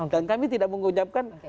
tapi tidak mengucapkan